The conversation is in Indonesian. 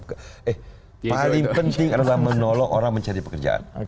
eh paling penting adalah menolong orang mencari pekerjaan